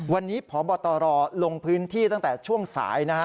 วันนี้พบตรลงพื้นที่ตั้งแต่ช่วงสายนะฮะ